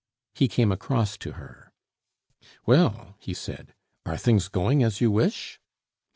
He came across to her. "Well," he said, "are things going as you wish?"